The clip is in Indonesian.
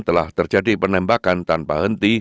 telah terjadi penembakan tanpa henti